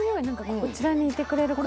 こちらにいてくれることで。